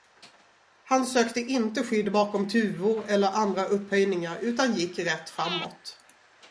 Han sökte inte skydd bakom tuvor eller andra upphöjningar, utan gick rätt framåt.